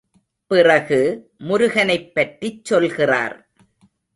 பிறகு முருகனைப் பற்றிச் சொல்கிறார்.